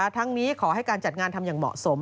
ทั้งนี้ขอให้การจัดงานทำอย่างเหมาะสม